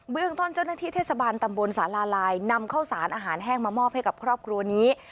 เรื่องต้นเจ้าหน้าที่เทศบาลตำบลสาลาลายนำข้าวสารอาหารแห้งมามอบให้กับครอบครัวนี้